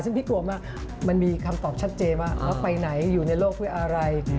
ทั้งความตายซึ่งพี่กลวงมันมีคำตอบชัดเจมว่าเขาไปไหนอยู่ในโลกเพื่ออะไร